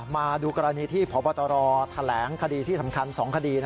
มาดูกรณีที่พบตรแถลงคดีที่สำคัญ๒คดี